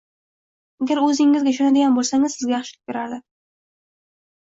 Agar o'zingizga ishonadigan bo'lsangiz, sizga yaxshilik beradi